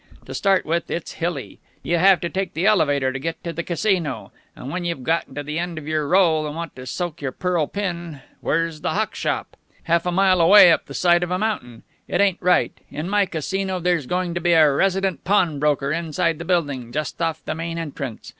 To start with, it's hilly. You have to take the elevator to get to the Casino, and when you've gotten to the end of your roll and want to soak your pearl pin, where's the hock shop? Half a mile away up the side of a mountain. It ain't right. In my Casino there's going to be a resident pawnbroker inside the building, just off the main entrance.